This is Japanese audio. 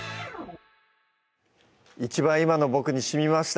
一番今の僕にしみました